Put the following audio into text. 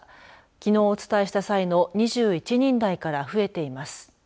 きのうお伝えした際の２１人台から増えています。